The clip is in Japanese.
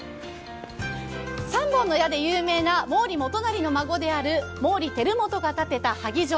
３本の矢で有名な毛利元就の孫である毛利輝元が建てた萩城。